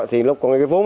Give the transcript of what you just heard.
thì lúc có cái vốn